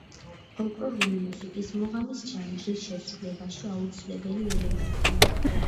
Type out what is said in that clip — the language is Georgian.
ფოლკლორული მუსიკის მუღამის ჟანრის შესრულებაში აუცილებელი ელემენტია.